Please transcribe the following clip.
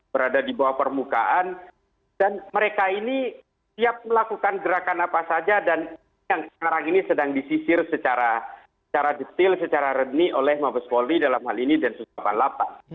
berada di bawah permukaan dan mereka ini siap melakukan gerakan apa saja dan yang sekarang ini sedang disisir secara detail secara reni oleh mabes polri dalam hal ini densus delapan puluh delapan